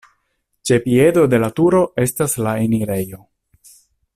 Ĉe piedo de la turo estas la enirejo.